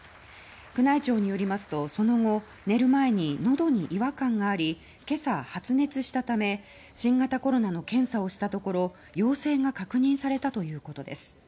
宮内庁によりますとその後寝る前に喉に違和感があり今朝発熱したため新型コロナの検査をしたところ陽性が確認されたということです。